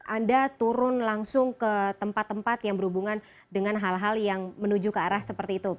anda turun langsung ke tempat tempat yang berhubungan dengan hal hal yang menuju ke arah seperti itu